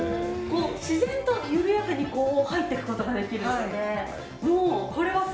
自然と緩やかに入っていくことができるので。